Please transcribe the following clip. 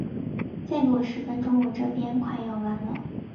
再给我十分钟，我这边快要完了。